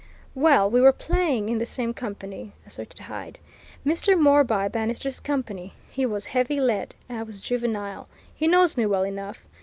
"Well we were playing in the same company," asserted Hyde. "Mr. Moreby Bannister's company. He was heavy lead I was juvenile. He knows me well enough.